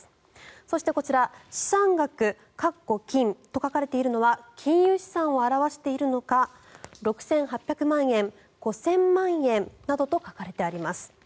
そしてこちら資産額と書かれているのは金融資産を表しているのか６８００万円５０００万円などと書かれています。